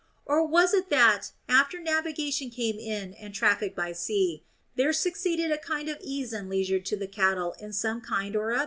Or was it that, after navigation came in and traffic by sea, there succeeded a kind of ease and leisure to the cattle in some kind or other?